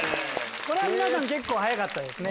これは皆さん結構早かったですね。